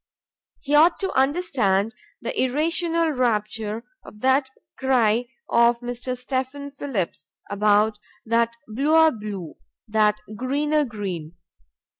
He ought to understand the irrational rapture of that cry of Mr. Stephen Phillips about "that bluer blue, that greener green."